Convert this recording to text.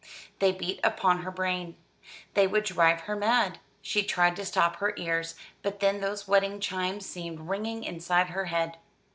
They beat upon her brain. They would drive her mad. She tried to stop her ears, but then those wedding chimes seemed ringing inside her head.